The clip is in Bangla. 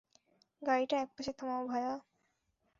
গাড়িটা একপাশে থামাও, ভায়া।